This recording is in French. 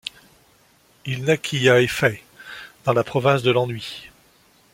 Il naquit à Hefei dans la province de l’Anhui.